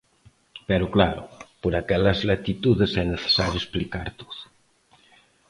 Pero claro, por aquelas latitudes é necesario explicar todo.